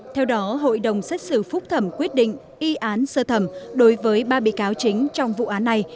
theo đó hội đồng xét xử phúc thẩm quyết định y án sơ thẩm đối với ba bị cáo chính trong vụ án này